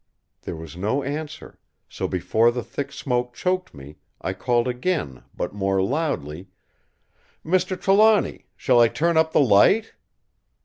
There was no answer; so before the thick smoke choked me, I called again but more loudly: "Mr. Trelawny, shall I turn up the light?"